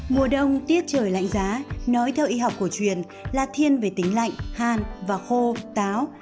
mùa đông tiết trời lạnh giá nói theo y học cổ truyền là thiên về tính lạnh hàn và khô táo